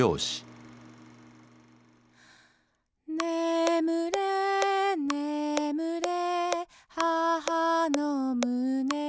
「ねむれねむれ母のむねに」